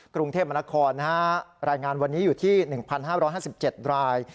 กรุงเทพมนครรายงานวันนี้อยู่ที่๑๕๕๗ราย